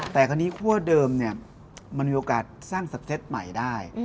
แต่คราวนี้คั่วเดิมเนี่ยมันมีโอกาสสร้างสเต็ตใหม่ได้